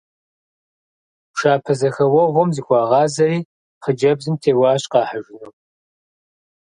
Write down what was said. Пшапэзэхэуэгъуэм зыхуагъазэри хъыджэбзым теуащ къахьыжыну.